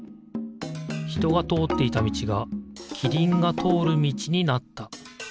ひとがとおっていたみちがキリンがとおるみちになった。